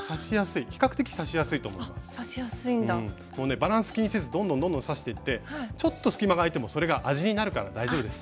バランス気にせずどんどんどんどん刺していってちょっと隙間があいてもそれが味になるから大丈夫です。